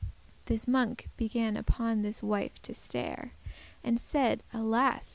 This monk began upon this wife to stare, And said, "Alas!